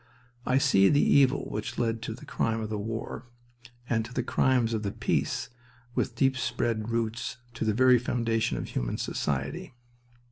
I see the evil which led to the crime of the war and to the crimes of the peace with deep spread roots to the very foundation of human society.